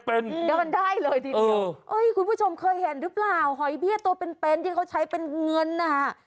พี่ชมเคยเห็นรึเปล่าหอยเบี้ยตัวเป็นที่เขาใช้เป็นเงินนะ